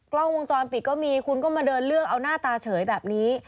กล้องวงจรปิดก็มีคุณก็มาเดินเลือกเอาหน้าตาเฉยแบบนี้